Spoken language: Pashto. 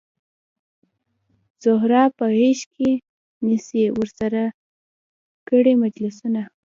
زهره په غیږ کې نیسي ورسره کړي مجلسونه